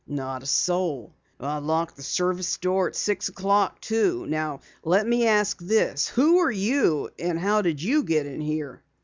"Not a soul. I locked the service door at six o'clock, too. Now let me ask this: Who are you, and how did you get in here?"